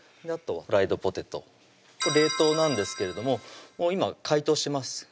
あとはフライドポテトこれ冷凍なんですけれども今解凍してます